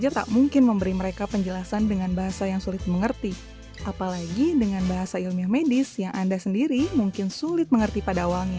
dia tak mungkin memberi mereka penjelasan dengan bahasa yang sulit mengerti apalagi dengan bahasa ilmiah medis yang anda sendiri mungkin sulit mengerti pada awalnya